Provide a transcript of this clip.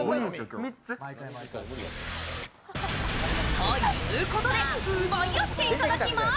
ということで奪い合っていただきます！